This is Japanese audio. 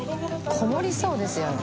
こもりそうですよね。